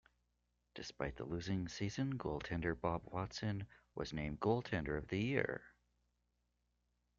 Despite the losing season, goaltender Bob Watson was named Goaltender of the Year.